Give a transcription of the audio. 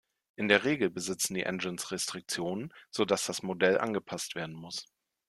In der Regel besitzen die Engines Restriktionen, so dass das Modell angepasst werden muss.